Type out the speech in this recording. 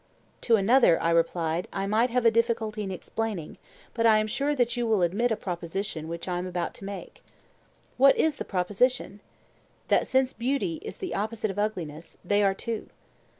To another, I replied, I might have a difficulty in explaining; but I am sure that you will admit a proposition which I am about to make. What is the proposition? That since beauty is the opposite of ugliness, they are two?